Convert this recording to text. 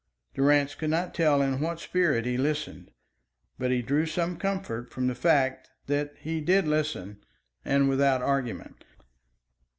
Durrance could not tell in what spirit he listened, but he drew some comfort from the fact that he did listen and without argument.